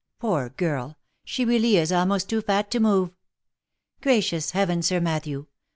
— Poor girl ! She really is almost too fat to move. Gracious heaven, Sir Matthew